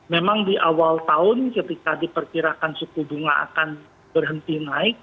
memang di awal tahun ketika diperkirakan suku bunga akan berhenti naik